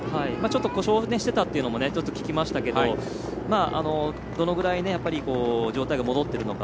故障してたというのも聞きましたがどのぐらい状態が戻っているのか。